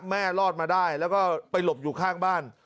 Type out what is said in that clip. รอดมาได้แล้วก็ไปหลบอยู่ข้างบ้าน